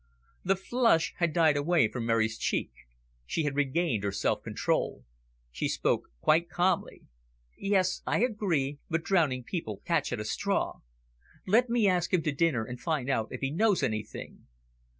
The flush had died away from Mary's cheek. She had regained her self control. She spoke quite calmly. "Yes, I agree, but drowning people catch at a straw. Let me ask him to dinner, and find out if he knows anything."